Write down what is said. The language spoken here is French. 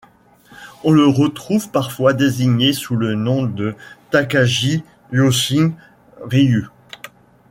On le retrouve parfois désigné sous le nom de Takagi Yōshin Ryū.